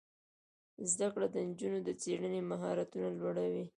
زده کړه د نجونو د څیړنې مهارتونه لوړوي.